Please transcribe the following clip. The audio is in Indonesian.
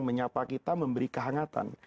menyapa kita memberi kehangatan